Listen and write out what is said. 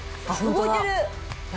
動いてる。